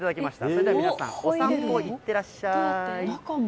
それでは皆さん、お散歩、いってらっしゃーい。